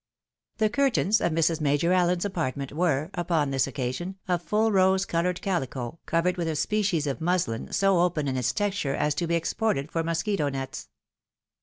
The curtains of Mrs. Major Allen's apartment were, upon this occasion, of full rose coloured cahco, covered with a species of mushn so open in its texture as to be exported for mosquito nets.